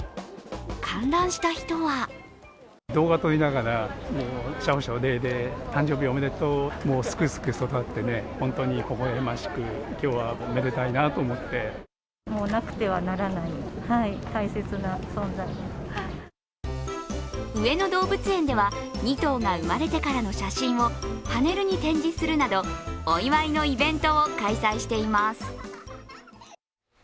観覧した人は上野動物園では２頭が生まれてからの写真をパネルに展示するなど、お祝いのイベントを開催しています。